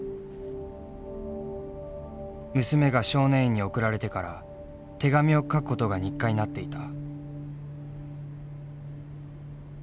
娘が少年院に送られてから手紙を書くことが日課になっていた。